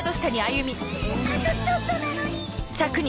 あとちょっとなのに。